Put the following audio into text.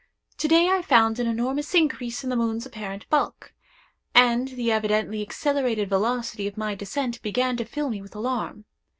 To day I found an enormous increase in the moon's apparent bulk—and the evidently accelerated velocity of my descent began to fill me with alarm.